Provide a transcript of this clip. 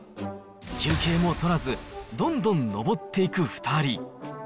休憩も取らず、どんどん登っていく２人。